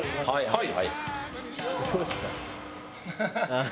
はい。